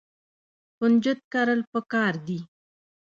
کنجد کرل پکار دي.